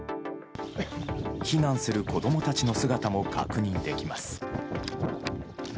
避難する子供たちの姿も確認できます。